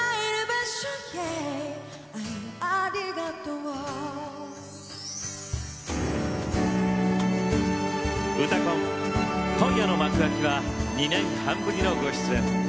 「うたコン」今夜の幕開きは２年半ぶりのご出演。